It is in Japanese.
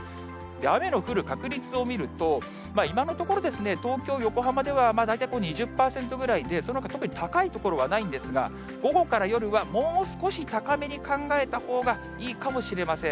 雨の降る確率を見ると、今のところ、東京、横浜では大体２０％ぐらいで、そのほか、特に高い所はないんですが、午後から夜はもう少し高めに考えたほうがいいかもしれません。